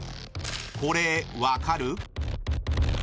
これ、分かる？